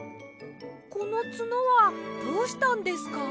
このツノはどうしたんですか？